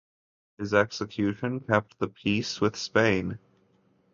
His execution kept the peace with Spain.